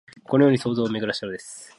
このように想像をめぐらしたのです